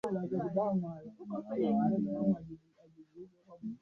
kupunguza moja tu ikiwa unafurahia Hifadhi ya safari